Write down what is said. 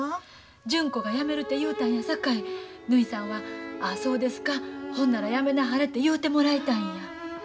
純子がやめるて言うたんやさかいぬひさんは「ああそうですかほんならやめなはれ」て言うてもらいたいんや。